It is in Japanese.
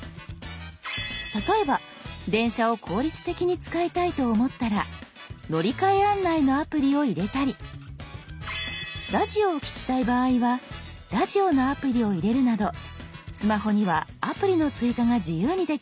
例えば電車を効率的に使いたいと思ったら乗り換え案内のアプリを入れたりラジオを聞きたい場合はラジオのアプリを入れるなどスマホにはアプリの追加が自由にできるんです。